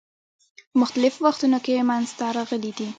په مختلفو وختونو کې منځته راغلي دي.